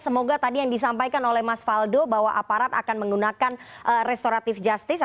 semoga tadi yang disampaikan oleh mas faldo bahwa aparat akan menggunakan restoratif justice